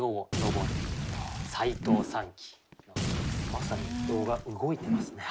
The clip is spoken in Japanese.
まさに動画動いてますね。